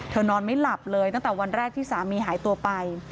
นอนไม่หลับเลยตั้งแต่วันแรกที่สามีหายตัวไป